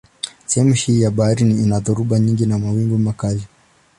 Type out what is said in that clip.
Sehemu hii ya bahari ina dhoruba nyingi na mawimbi makali.